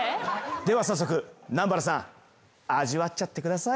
では早速南原さん味わっちゃってください。